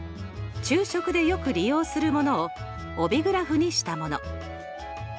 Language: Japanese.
昼食でよく利用するものを帯グラフにしたもの。